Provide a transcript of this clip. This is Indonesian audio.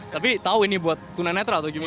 tapi tahu ini buat tuna netra atau gimana